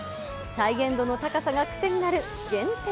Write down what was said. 再現度の高さが癖になる限定